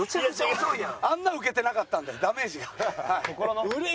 あんなウケてなかったんでダメージが。